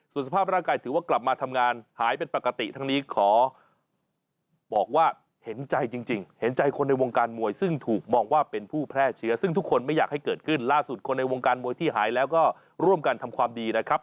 ส่วนสภาพร่างกายถือว่ากลับมาทำงานหายเป็นปกติทั้งนี้ขอบอกว่าเห็นใจจริงเห็นใจคนในวงการมวยซึ่งถูกมองว่าเป็นผู้แพร่เชื้อซึ่งทุกคนไม่อยากให้เกิดขึ้นล่าสุดคนในวงการมวยที่หายแล้วก็ร่วมกันทำความดีนะครับ